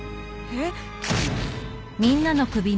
えっ！？